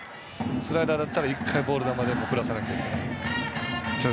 スライダーだったら１回ボール球でも振らさなきゃいけない。